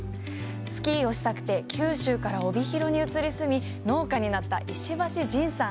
スキーをしたくて九州から帯広に移り住み農家になった石橋仁さん。